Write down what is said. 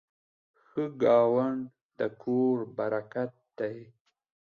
ښه ګاونډ د کور برکت دی.